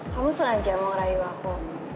kamu sengaja mau merayu aku